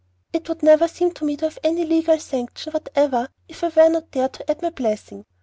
It would never seem to me to have any legal sanction whatever if I were not there to add my blessing.